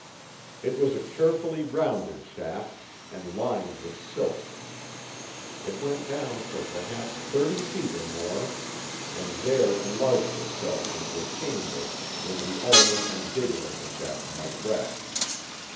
It was a carefully rounded shaft, and lined with silk. It went down for perhaps thirty feet or more, and there enlarged itself into a chamber where the owner and digger of the shaft might rest.